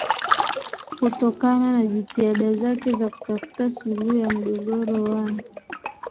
Kutokana na jitihada zake za kutafuta suluhu ya mgogoro wa